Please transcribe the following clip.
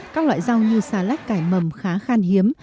các loại rau như xà lách cải mầm khá khan hiếm